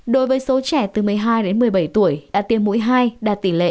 đối với số trẻ từ một mươi hai đến một mươi bảy tuổi tiêm mũi hai đạt tỷ lệ chín mươi sáu sáu